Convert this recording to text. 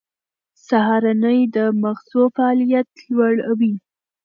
سهارنۍ د مغزو فعالیت لوړوي.